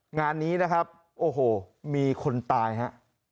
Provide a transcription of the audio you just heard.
งานนี้นะครับโอ้โหมีคนตายฮะ